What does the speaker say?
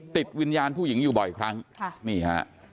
ติดวิญญาณผู้หญิงอยู่บ่อยครั้งครับ